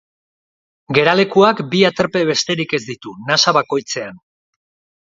Geralekuak bi aterpe besterik ez ditu, nasa bakoitzean.